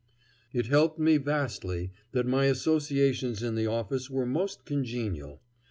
It helped me vastly that my associations in the office were most congenial.